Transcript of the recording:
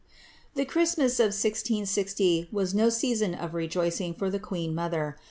The Christmas of 1600 was no season of rejoicing for the qneen mother.